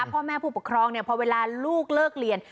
พ่อแม่ผู้ปกครองพอเวลาลูกเลิกเรียน